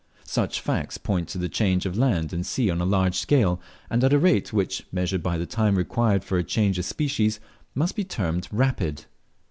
Such facts point to changes of land and sea on a large scale, and at a rate which, measured by the time required for a change of species, must be termed rapid.